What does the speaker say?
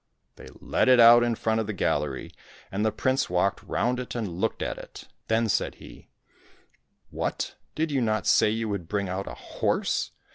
They led it out in front of the gallery, and the prince walked round it and looked at it. Then said he, " What ! did you not say you would bring out a horse